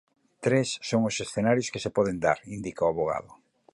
Tres son os escenarios que se poden dar, indica o avogado.